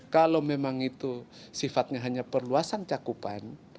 kalau memang itu sifatnya hanya perluasan cakupan